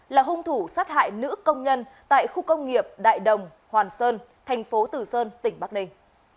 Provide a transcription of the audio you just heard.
là hung thủ sát hại nữ công nhân tại khu công nghiệp đại đồng hoàn sơn thành phố tử sơn tỉnh bắc ninh